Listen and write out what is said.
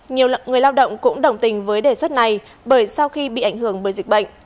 nhiều người lao động cũng đồng tình với đề xuất này bởi sau khi bị ảnh hưởng bởi dịch bệnh